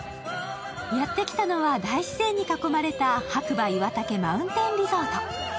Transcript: やってきたのは大自然に囲まれた白馬岩岳マウンテンリゾート。